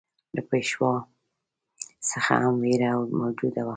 له پېشوا څخه هم وېره موجوده وه.